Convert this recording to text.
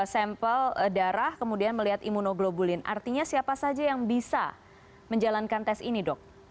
sampel darah kemudian melihat imunoglobulin artinya siapa saja yang bisa menjalankan tes ini dok